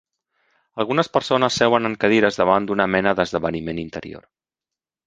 Algunes persones seuen en cadires davant d'una mena d'esdeveniment interior.